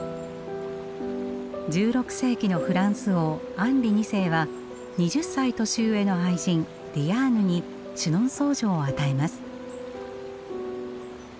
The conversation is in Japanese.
１６世紀のフランス王アンリ二世は２０歳年上の愛人ディアーヌにシュノンソー城を与えます。